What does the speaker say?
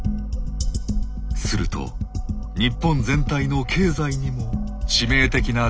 すると日本全体の経済にも致命的なダメージが。